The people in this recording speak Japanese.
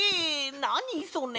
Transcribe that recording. なにそれ！